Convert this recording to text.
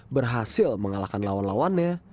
berhasil mengalahkan lawan lawannya